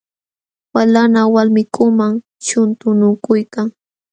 Walanqa walmikunam shuntunakuykan.